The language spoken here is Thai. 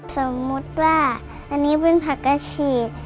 สมมุติว่าอันนี้เป็นผักกระฉีก